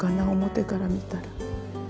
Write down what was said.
表から見たら。